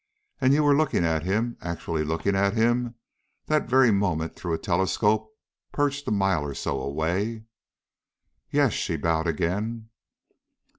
"And you were looking at him actually looking at him that very moment through a telescope perched a mile or so away?" "Yes," she bowed again.